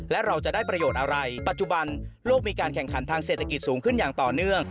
และเราจะได้ประโยชน์อะไรปัจจุบันโลกมีการแข่งขันทางเศรษฐกิจสูงขึ้นอย่างต่อเนื่อง